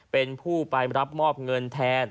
เป็นผู้ไปรับมอบเงินแทน